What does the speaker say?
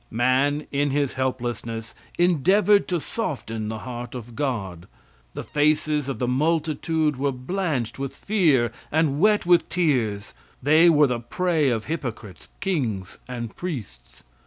Man, in his helplessness, endeavored to soften the heart of God. The faces of the multitude were blanched with fear, and wet with tears; they were the prey of hypocrites, kings and priests.